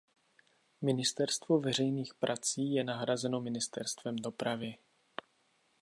Ministerstvo veřejných prací je nahrazeno Ministerstvem dopravy.